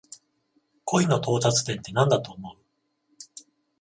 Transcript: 恋の到達点ってなんだと思う？